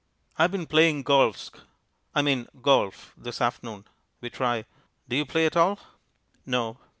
"I've been playing golfsk I mean golf this afternoon," we try. "Do you play at all?" "No."